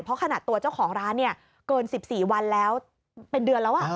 เพราะขนาดตัวเจ้าของร้านเนี่ยเกิน๑๔วันแล้วเป็นเดือนแล้ว